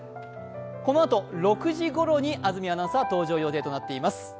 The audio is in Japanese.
このあと６時ごろに安住アナウンサーは登場予定となっております。